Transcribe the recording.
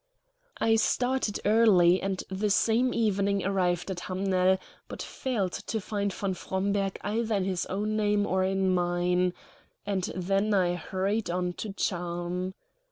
I started early, and the same evening arrived at Hamnel, but failed to find von Fromberg either in his own name or in mine; and theft I hurried on to Charmes.